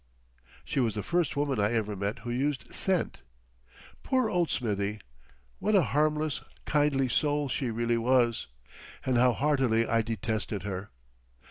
She was the first woman I ever met who used scent. Poor old Smithie! What a harmless, kindly soul she really was, and how heartily I detested her!